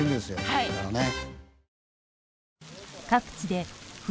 これからね。